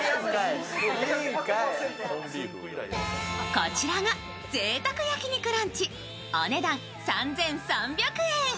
こちらが贅沢焼肉ランチ、お値段３３００円。